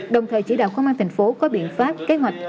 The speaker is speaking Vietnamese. đồng thời chỉ đạo công an thành phố có biện pháp kế hoạch